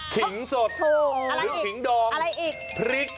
ขิงสดหรือขิงดำพริก